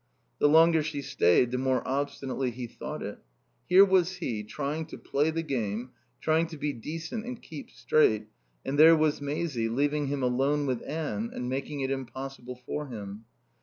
The longer she stayed the more obstinately he thought it. Here was he, trying to play the game, trying to be decent and keep straight, and there was Maisie leaving him alone with Anne and making it impossible for him.